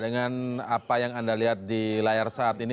dengan apa yang anda lihat di layar saat ini